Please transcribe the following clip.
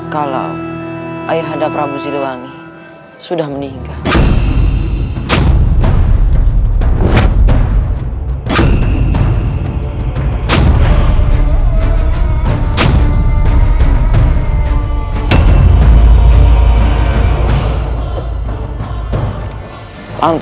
kalau ayahanda prabu ziluwangi sudah meninggal